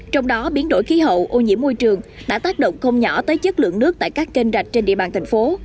trong đó biến đổi khí hậu ô nhiễm môi trường đã tác động không nhỏ tới chất lượng nước tại các kênh rạch trên địa bàn thành phố